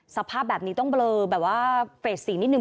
สภาพแบบนี้ต้องเบลอแบบว่าเฟสสีนิดนึ